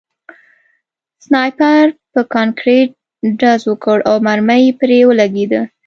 سنایپر په کانکریټ ډز وکړ او مرمۍ پرې ولګېده